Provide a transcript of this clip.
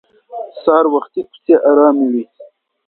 سهار وختي کوڅې ارامې وي